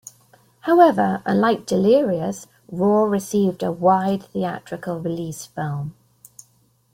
However, unlike "Delirious", "Raw" received a wide theatrical release film.